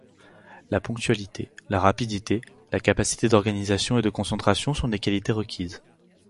La ponctualité, la rapidité, la capacité d'organisation et de concentration sont des qualités requises.